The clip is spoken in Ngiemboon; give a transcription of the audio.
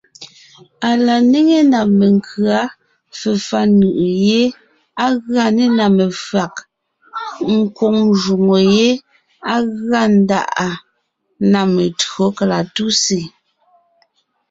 Á la néŋe ná menkʉ̌a, fefà nʉʼʉ yé, á gʉa nê na mefÿàg, kwóŋ jwóŋo yé á gʉa ńdáʼa na metÿǒ kalatúsè.